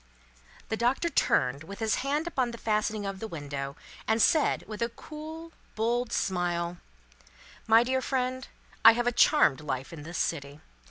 The Doctor turned, with his hand upon the fastening of the window, and said, with a cool, bold smile: "My dear friend, I have a charmed life in this city.